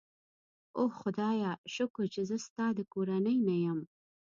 اوه خدایه، شکر چې زه خو ستا د کورنۍ نه یم.